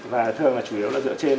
và thường là chủ yếu là dựa trên